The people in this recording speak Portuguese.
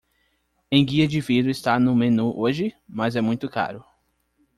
Enguia de vidro está no menu hoje?, mas é muito caro.